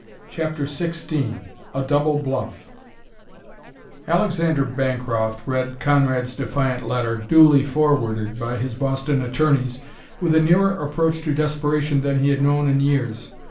CHAPTER XVI A DOUBLE BLUFF Alexander Bancroft read Conrad's defiant letter, duly forwarded by his Boston attorneys, with a nearer approach to desperation than he had known in years.